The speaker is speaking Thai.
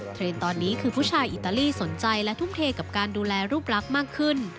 เทรนด์ตอนนี้คือผู้ชายอิตาลีสนใจและทุ่มเทกับการดูแลรูปรักมากขึ้น